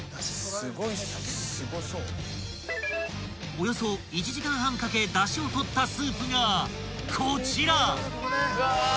［およそ１時間半かけだしを取ったスープがこちら］